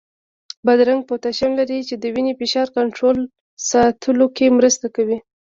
بادرنګ پوتاشیم لري، چې د وینې فشار کنټرول ساتلو کې مرسته کوي.